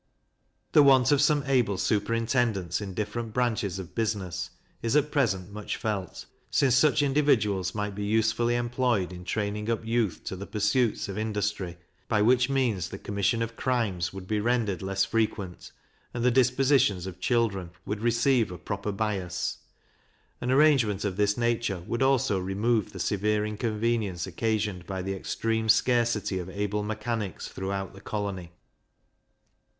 The want of some able superintendants in different branches of business is at present much felt, since such individuals might be usefully employed in training up youth to the pursuits of industry; by which means the commission of crimes would be rendered less frequent, and the dispositions of children would receive a proper bias. An arrangement of this nature would also remove the severe inconvenience occasioned by the extreme scarcity of able mechanics throughout the colony.